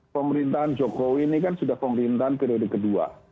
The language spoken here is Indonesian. pemerintahan jokowi ini kan sudah pemerintahan periode kedua